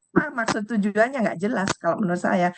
wah maksud tujuannya nggak jelas kalau menurut saya